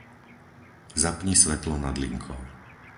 Zapni svetlo nad linkou.